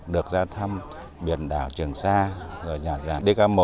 được ra thăm biển đảo trường sa nhà giả dk một